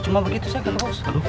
cuma begitu saja bos